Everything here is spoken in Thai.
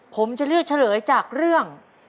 ผมจะเลือกเฉลยจากเรื่อง